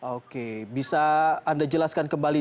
oke bisa anda jelaskan kembali